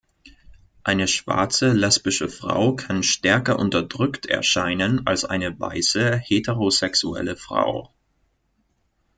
Eine schwarze lesbische Frau kann stärker unterdrückt erscheinen als eine weiße heterosexuelle Frau.